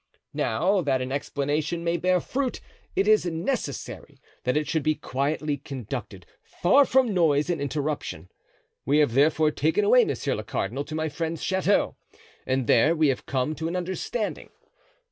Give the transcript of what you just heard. Now, that an explanation may bear fruit, it is necessary that it should be quietly conducted, far from noise and interruption. We have therefore taken away monsieur le cardinal to my friend's chateau and there we have come to an understanding.